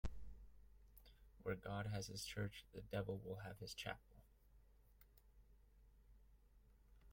Where God has his church, the devil will have his chapel.